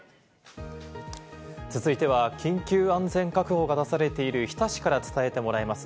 続いては緊急安全確保が出されている日田市から伝えてもらいます。